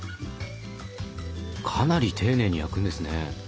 かなり丁寧に焼くんですね。